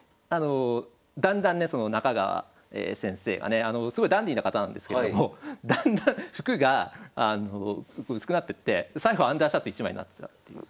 だんだんね中川先生がねすごいダンディーな方なんですけれどもだんだん服が薄くなってってで最後はアンダーシャツ１枚になってたっていう。